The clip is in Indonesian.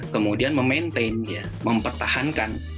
kemudian memaintain mempertahankan